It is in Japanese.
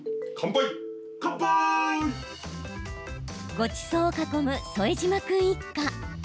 ごちそうを囲む副島君一家。